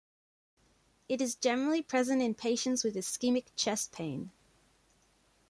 It is generally present in patients with ischemic chest pain.